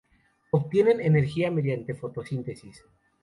Obtienen energía mediante fotosíntesis.